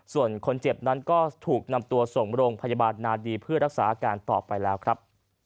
ส่วนคนเจ็บนั้นก็ถูกนำตัวส่งโรงพยาบาลนาดีเพื่อรักษาอาการต่อไปแล้วครับ